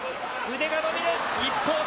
腕が伸びる、一方的。